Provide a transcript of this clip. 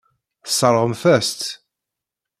Tesseṛɣemt-as-tt.